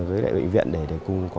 ở bệnh viện để cùng có